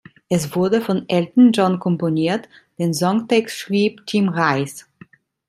Es wurde von Elton John komponiert; den Songtext schrieb Tim Rice.